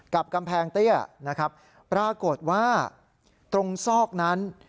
กับกำแพงเตี้ยปรากฏว่าตรงซอกนั้น